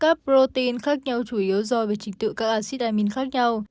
các protein khác nhau chủ yếu do về trình tự các acid amin khác nhau